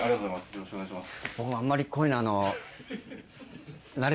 よろしくお願いします。